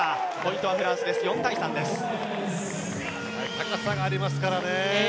高さがありますからね。